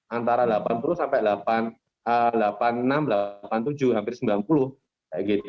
antara delapan puluh sampai delapan puluh enam delapan puluh tujuh hampir sembilan puluh